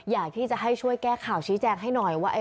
อยากที่จะให้ช่วยแก้ข่าวชี้แจงให้หน่อยว่า